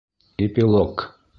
ЭПИЛОГ